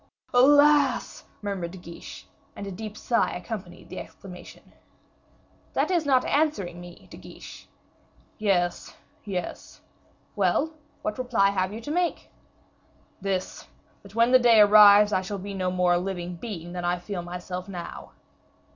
"Alas!" murmured De Guiche; and a deep sigh accompanied the exclamation. "That is not answering me, De Guiche." "Yes, yes." "Well, what reply have you to make?" "This, that when the day arrives I shall be no more a living being than I feel myself now."